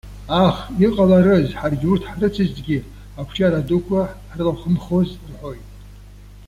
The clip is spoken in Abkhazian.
Ах, иҟаларыз, ҳаргьы урҭ ҳрыцызҭгьы ақәҿиара дуқәа ҳрылахәымхоз,- рҳәоит.